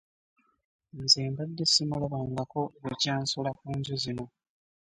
Nze mbadde ssimulabangako bukya nsula ku nju zino.